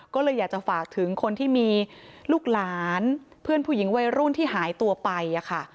ก็เลยอยากจะฝากถึงคนที่มีลูกหลานเพื่อนผู้หญิงวัยรุ่นที่หายตัวไปค่ะ